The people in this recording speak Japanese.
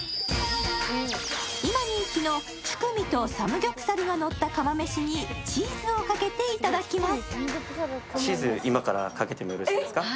今人気のチュクミとサムギョプサルがのった釜めしにチーズをかけていただきます。